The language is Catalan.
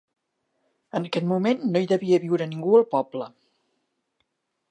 En aquest moment no hi devia viure ningú al poble.